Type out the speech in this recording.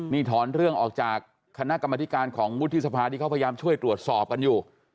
นี่ถอนเรื่องออกจากคณะกรรมธิการของวุฒิสภาที่เขาพยายามช่วยตรวจสอบกันอยู่